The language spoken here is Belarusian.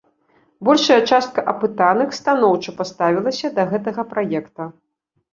Большая частка апытаных станоўча паставілася да гэтага праекта.